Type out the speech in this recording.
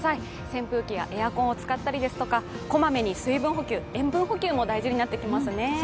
扇風機やエアコンを使ったりですとかこまめに水分補給、塩分補給も大事になってきますね。